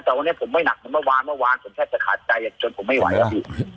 แต่วันนี้ผมไม่หนักเหมือนเมื่อวานเมื่อวานผมแทบจะขาดใจจนผมไม่ไหวแล้วพี่